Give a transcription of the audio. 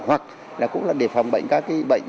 hoặc là cũng là để phòng bệnh các cái bệnh